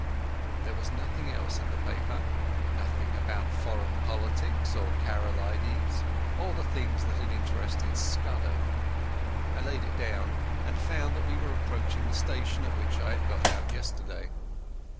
There was nothing else in the paper, nothing about foreign politics or Karolides, or the things that had interested Scudder. I laid it down, and found that we were approaching the station at which I had got out yesterday.